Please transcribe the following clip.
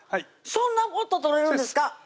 そんなポッと取れるんですか？